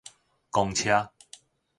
公車